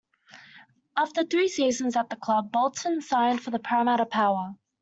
After three seasons at the club, Bolton signed for the Parramatta Power.